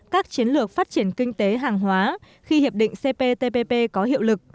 các chiến lược phát triển kinh tế hàng hóa khi hiệp định cptpp có hiệu lực